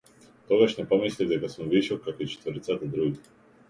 Тогаш не помислив дека сум вишок, како и четворицата други.